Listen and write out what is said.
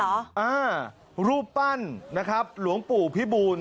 อ่ารูปปั้นนะครับหลวงปู่พิบูล